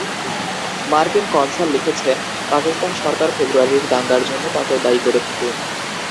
মার্কিন কনসাল লিখেছেন, পাকিস্তান সরকার ফেব্রুয়ারির দাঙ্গার জন্য তাঁকেও দায়ী করে থাকে।